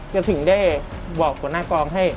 ถึงได้กดก็งให้